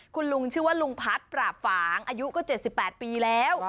คุณลุงชื่อว่าลุงพัฒน์ปราบฝางอายุก็๗๘ปีแล้ว